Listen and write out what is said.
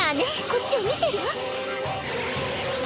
こっちを見てるわ。